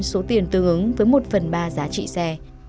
số tiền tương ứng với một phần ba giá trị xe